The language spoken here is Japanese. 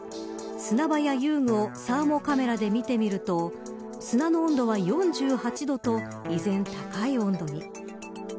砂場や遊具をサーモカメラで見てみると砂の温度は４８度と依然、高い温度に。